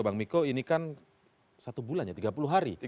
bang miko ini kan satu bulannya tiga puluh hari